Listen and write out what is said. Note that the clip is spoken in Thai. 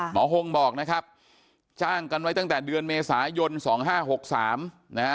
หงบอกนะครับจ้างกันไว้ตั้งแต่เดือนเมษายน๒๕๖๓นะฮะ